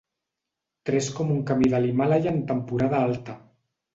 Tres com un camí de l'Himàlaia en temporada alta.